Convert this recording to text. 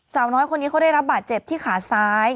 สาวน้อยคนนี้เขาได้รับบาดเจ็บที่ขาซ้าย